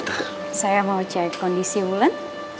juna minga hampir tak ada bangunan